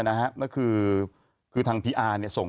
อยู่ในร่างกายน้อง๕